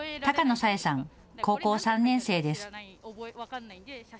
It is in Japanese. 高野紗英さん、高校３年生です。